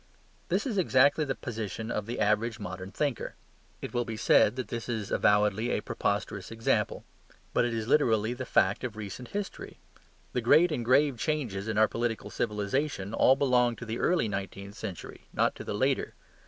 This is exactly the position of the average modern thinker. It will be said that this is avowedly a preposterous example. But it is literally the fact of recent history. The great and grave changes in our political civilization all belonged to the early nineteenth century, not to the later.